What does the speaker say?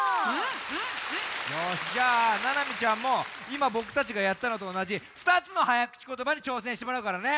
よしじゃあななみちゃんもいまぼくたちがやったのとおなじ２つのはやくちことばにちょうせんしてもらうからね。